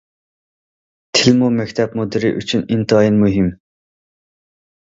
تىلمۇ مەكتەپ مۇدىرى ئۈچۈن ئىنتايىن مۇھىم.